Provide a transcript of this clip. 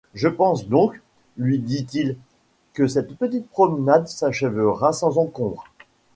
Je pense donc, lui-dit-il, que cette petite promenade s’achèvera sans encombre.